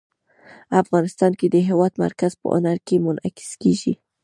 افغانستان کې د هېواد مرکز په هنر کې منعکس کېږي.